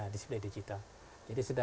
display digital jadi sudah